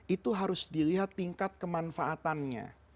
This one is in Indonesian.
itu harus dilihat tingkat kemanfaatannya